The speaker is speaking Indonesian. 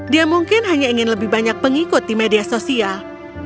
dia mungkin hanya ingin lebih banyak pengikut di media sosial